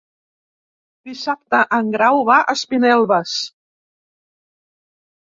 Dissabte en Grau va a Espinelves.